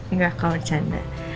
enggak kalau macam